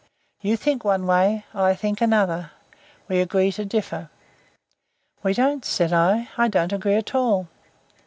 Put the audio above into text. You think one way, I think another. We agree to differ." "We don't," said I. "I don't agree at all."